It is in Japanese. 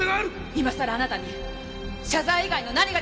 今さらあなたに謝罪以外の何が出来ますか！